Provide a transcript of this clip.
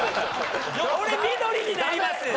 俺緑になります。